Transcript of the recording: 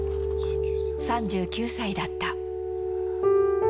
３９歳だった。